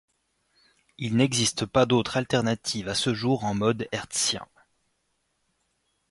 Il n'existe pas d'autres alternatives à ce jour en mode hertzien.